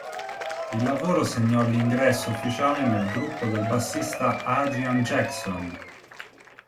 Il lavoro segnò l'ingresso ufficiale nel gruppo del bassista Adrian Jackson.